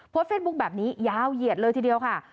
เฟซบุ๊คแบบนี้ยาวเหยียดเลยทีเดียวค่ะ